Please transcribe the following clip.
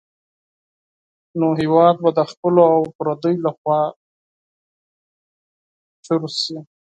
نو هېواد به د خپلو او پردیو لخوا چور شي.